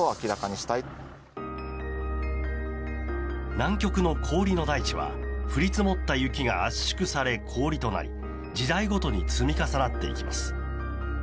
南極の氷の大地は降り積もった雪が圧縮され氷となり時代ごとに積み重なっていきます。